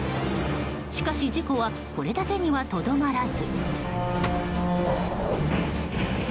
しかし、事故はこれだけにはとどまらず。